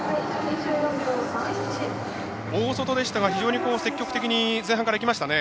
大外でしたが非常に積極的に前半からいきましたね。